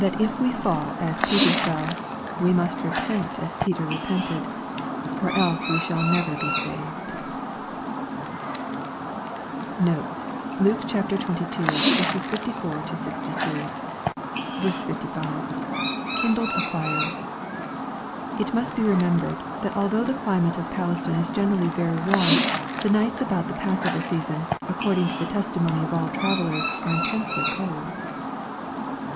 if we fall as Peter fell, we must repent as Peter repent* ed, or else we shall never be saved. Notes. Luke XXII. 54 62. 65. — [Kindled afire.] It must be remembered, that although the climate of Palestine is generally very warm, the nights about the Passover season, according to the testimony of all travellers, are intensely cold.